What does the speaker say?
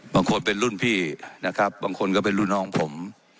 บางคนเป็นรุ่นพี่นะครับบางคนก็เป็นรุ่นน้องผม